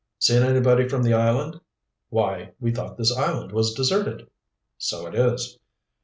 "Seen anybody from the island?" "Why, we thought this island was deserted." "So it is."